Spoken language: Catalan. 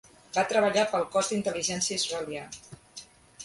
Va treballar pel cos d'intel·ligència israelià.